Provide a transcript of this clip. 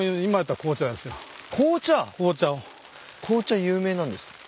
紅茶有名なんですか？